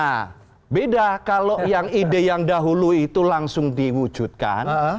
nah beda kalau yang ide yang dahulu itu langsung diwujudkan